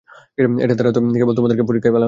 এটার দ্বারা তো কেবল তোমাদেরকে পরীক্ষায় ফেলা হয়েছে।